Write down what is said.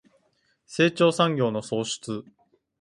成長産業の創出